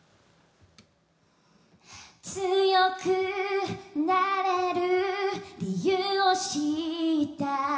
「強くなれる理由を知った」